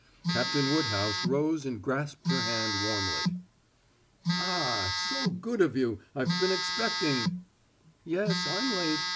Captain Woodhouse rose and grasped her hand warmly. "Ah! So good of you! I've been expecting " "Yes, I'm late.